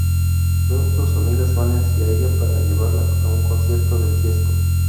Luego sus amigas van hacia ella para llevarla a un concierto de Tiesto.